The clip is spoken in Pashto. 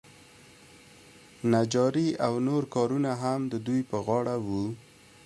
نجاري او نور کارونه هم د دوی په غاړه وو.